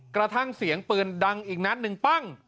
กระทั่งเสียงปืนดังอีกนัดหนึ่งปั้ง